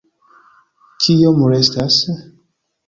Kiom restas?